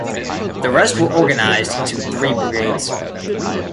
The rest were organized into three brigades.